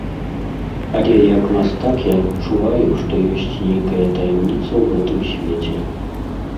Але як мастак я адчуваю, што ёсць нейкая таямніца ў гэтым свеце.